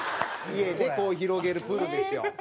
家でこう広げるプールですよ。